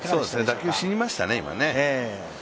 打球死にましたね。